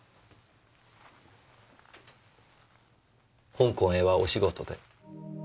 香港へはお仕事で？